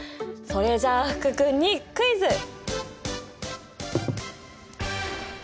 それじゃ福君にクイズ！